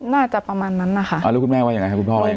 น่าจะประมาณนั้นค่ะลูกคุณแม่ว่าอย่างไรค่ะคุณพ่อ